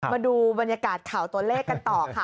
มาดูบรรยากาศข่าวตัวเลขกันต่อค่ะ